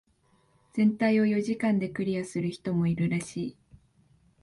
全体を四時間でクリアする人もいるらしい。